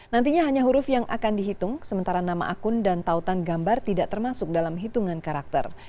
nantinya hanya huruf yang akan dihitung sementara nama akun dan tautan gambar tidak termasuk dalam hitungan karakter